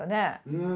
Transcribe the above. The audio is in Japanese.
うん。